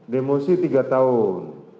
demosi tiga tahun